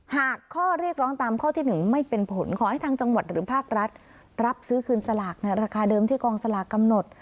หากข้อเรียกร้องตามข้อที่๑ไม่เป็นผลขอให้ทางจังหวัดหรือภาครัฐรับซื้อคืนสลากในราคาเดิมที่กองสลากกำหนด